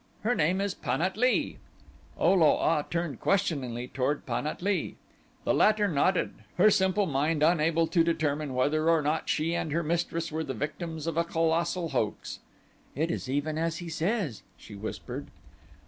Her name is Pan at lee." O lo a turned questioningly toward Pan at lee. The latter nodded, her simple mind unable to determine whether or not she and her mistress were the victims of a colossal hoax. "It is even as he says," she whispered.